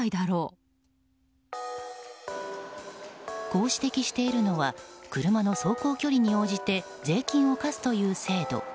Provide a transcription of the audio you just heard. こう指摘しているのは車の走行距離に応じて税金を課すという制度